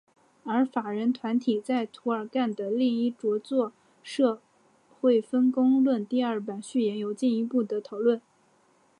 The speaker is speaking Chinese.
而法人团体在涂尔干的另一着作社会分工论第二版序言有进一步的讨论。